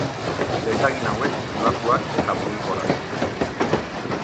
Letagin hauek zulatuak eta mugikorrak dira.